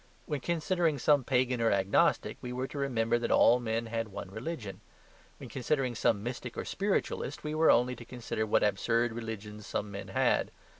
When considering some pagan or agnostic, we were to remember that all men had one religion; when considering some mystic or spiritualist, we were only to consider what absurd religions some men had.